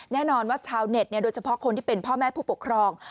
แน่นอนว่าชาวเน็ตโดยเฉพาะคนที่เป็นพ่อแม่ผู้ปกครอง